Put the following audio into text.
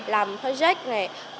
làm project này